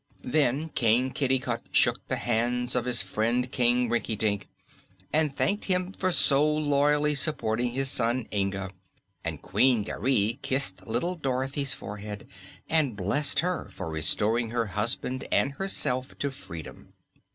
Then King Kitticut shook the hands of his friend King Rinkitink and thanked him for so loyally supporting his son Inga, and Queen Garee kissed little Dorothy's forehead and blessed her for restoring her husband and herself to freedom.